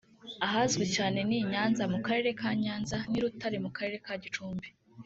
ahazwi cyane ni Nyanza mu karere ka Nyanza n’i Rutare mu karere ka Gicumbi